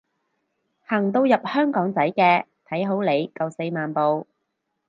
行到入香港仔嘅，睇好你夠四萬步